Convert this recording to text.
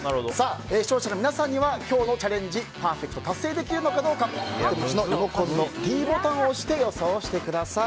視聴者の皆さんには今日のチャレンジパーフェクト達成できるのかどうかお手持ちのリモコンのｄボタンを押して予想してください。